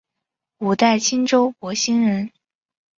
五代青州博兴人。